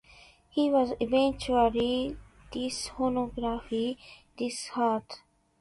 He was eventually dishonorably discharged.